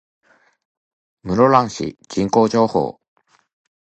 室蘭市人口情報